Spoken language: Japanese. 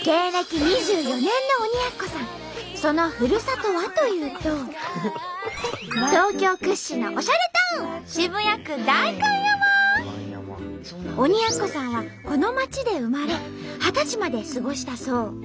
そのふるさとはというと東京屈指のおしゃれタウン鬼奴さんはこの街で生まれ二十歳まで過ごしたそう。